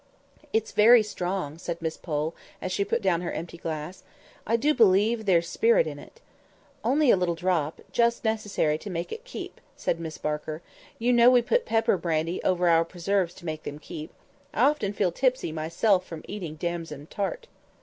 "It's very strong," said Miss Pole, as she put down her empty glass; "I do believe there's spirit in it." "Only a little drop—just necessary to make it keep," said Miss Barker. "You know we put brandy pepper over our preserves to make them keep. I often feel tipsy myself from eating damson tart."